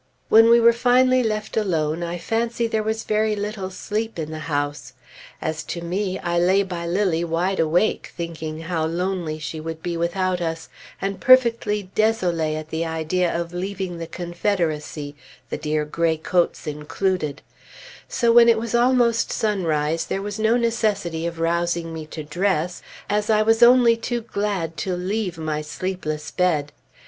When we were finally left alone, I fancy there was very little sleep in the house. As to me, I lay by Lilly wide awake, thinking how lonely she would be without us, and perfectly désolée at the idea of leaving the Confederacy (the dear gray coats included); so when it was almost sunrise there was no necessity of rousing me to dress, as I was only too glad to leave my sleepless bed.